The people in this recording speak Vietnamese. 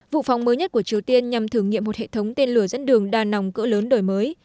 vụ phóng mới nhất của triều tiên nhằm thử nghiệm một hệ thống tên lửa dẫn đường đàn nòng cỡ lớn đổi mới